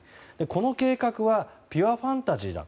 この計画はピュアファンタジーだ。